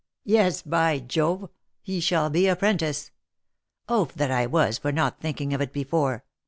Yes, by Jove ! he shall be a 'prentice. Oaf that I was for not thinking of it before